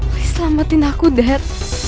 please selamatin aku dad